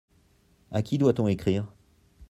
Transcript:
À qui doit-on écrire ?